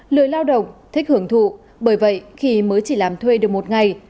lười lao động thích hưởng thụ bởi vậy khi mới chỉ làm thuê được một ngày